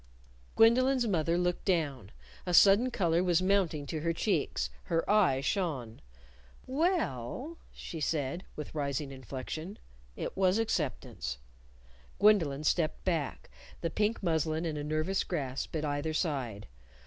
Gwendolyn's mother looked down. A sudden color was mounting to her cheeks. Her eyes shone. "We e ell," she said, with rising inflection. It was acceptance. Gwendolyn stepped back the pink muslin in a nervous grasp at either side.